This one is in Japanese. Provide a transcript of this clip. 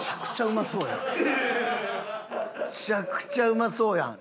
めちゃくちゃうまそうやん。